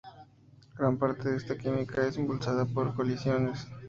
Gran parte de esta química es impulsada por colisiones.